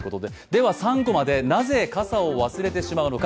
では３コマでなぜ傘を忘れてしまうのか。